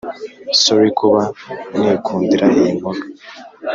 sorry kuba n’ikundira iyi nkuru